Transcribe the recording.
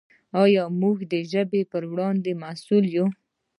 موږ ټول د ژبې په وړاندې مسؤل یو.